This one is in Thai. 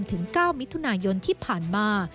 ถึง๙มิถุนายนที่ผ่านมา